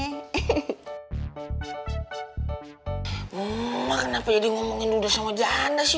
emang kenapa deddy ngomongin duda sama janda sih